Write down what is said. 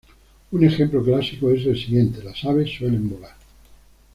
Un ejemplo clásico es el siguiente: "las aves suelen volar".